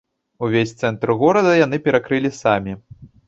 Увесь цэнтр горада яны перакрылі самі!